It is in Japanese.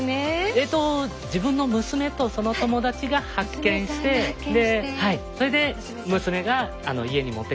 えっと自分の娘とその友達が発見してそれで娘が家に持って帰ってきたんですよね。